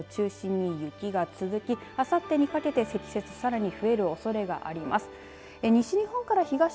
日本海側を中心に雪が続きあさってにかけて積雪さらに増えるおそれがあります。